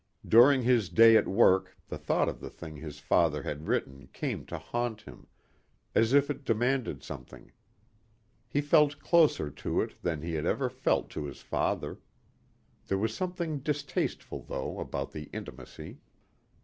During his day at work the thought of the thing his father had written came to haunt him, as if it demanded something. He felt closer to it than he had ever felt to his father. There was something distasteful, though, about the intimacy.